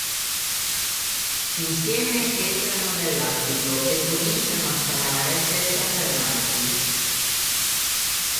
Insieme entrano nell'attico e cominciano a sparare senza fermarsi.